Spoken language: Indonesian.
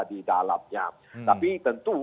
di dalamnya tapi tentu